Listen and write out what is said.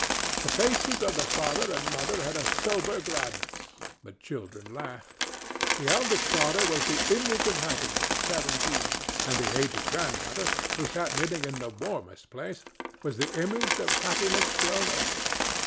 The faces of the father and mother had a sober gladness; the children laughed. The eldest daughter was the image of Happiness at seventeen, and the aged grandmother, who sat knitting in the warmest place, was the image of Happiness grown old.